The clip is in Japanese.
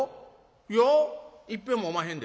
いやいっぺんもおまへんで。